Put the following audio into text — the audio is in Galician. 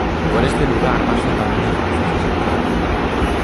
Por este lugar pasa o Camiño Francés a Santiago.